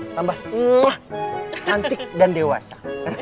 tambah cantik dan dewasa